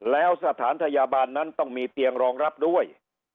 แล้วสถานพยาบาลนั้นต้องมีเตียงรองรับด้วย